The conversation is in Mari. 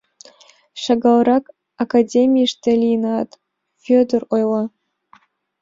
— Шагалрак академийыште лийынат, — Вӧдыр ойла.